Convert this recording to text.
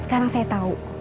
sekarang saya tahu